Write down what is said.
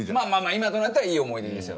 今となってはいい思い出ですよ。